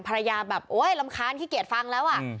ภรรยาแบบโอ้ยลำค้างขี้เกียจฟังแล้วอ่ะอืม